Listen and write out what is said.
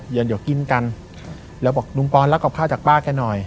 อย่างเดียวกินกันแล้วบอกลุงปรรรักออกข้าวจากป้าแกหน่อย